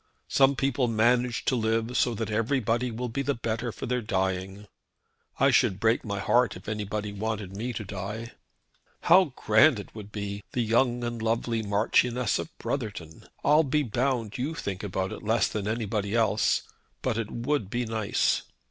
Some people manage to live so that everybody will be the better for their dying. I should break my heart if anybody wanted me to die. "How grand it would be! The young and lovely Marchioness of Brotherton! I'll be bound you think about it less than anybody else, but it would be nice.